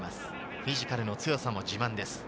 フィジカルの強さも自慢です。